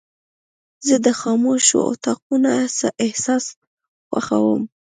زه د خاموشو اتاقونو احساس خوښوم.